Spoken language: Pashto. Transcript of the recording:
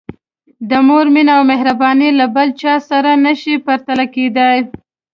د مور مینه او مهرباني له بل چا سره نه شي پرتله کېدای.